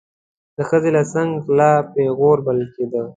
د ښځې له څنګه غلا پیغور بلل کېده.